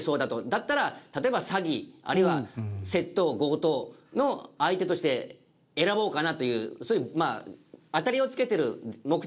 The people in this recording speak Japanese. だったら例えば詐欺あるいは窃盗強盗の相手として選ぼうかなというそういう当たりをつけている目的の電話ですよね。